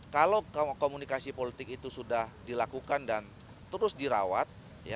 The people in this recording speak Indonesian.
kalau komunikasi politik itu sudah dilakukan dan terus dirawat